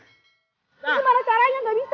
ini gimana caranya gak bisa